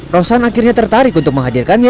rosan akhirnya tertarik untuk menghadirkannya